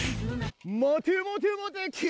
待て待て待てい！